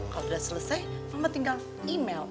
kalau udah selesai mama tinggal email